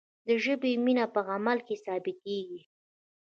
د ژبې مینه په عمل کې ثابتیږي.